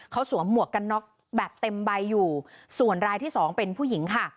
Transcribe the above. เขาสวมหมวกกันน็อกแบบเต็มใบอยู่ส่วนรายที่สองเป็นผู้หญิงค่ะ